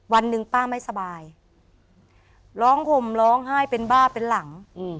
วันหนึ่งป้าไม่สบายร้องห่มร้องไห้เป็นบ้าเป็นหลัง